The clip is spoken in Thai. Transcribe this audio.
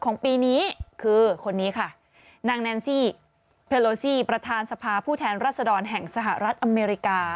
ปีนี้คือคนนี้ค่ะนางแนนซี่เพลโลซี่ประธานสภาผู้แทนรัศดรแห่งสหรัฐอเมริกา